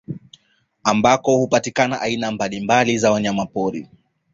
Ambako hupatikana aina mbalimbali za wanyamapori